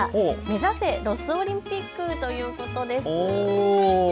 目指せ、ロスオリンピックということです。